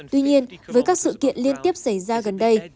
tuy nhiên với các sự kiện liên tiếp xảy ra gần đây